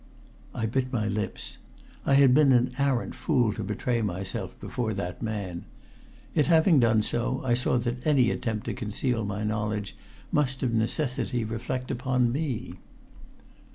I bit my lips. I had been an arrant fool to betray myself before that man. Yet having done so, I saw that any attempt to conceal my knowledge must of necessity reflect upon me.